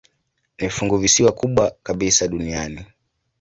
Ni funguvisiwa kubwa kabisa duniani.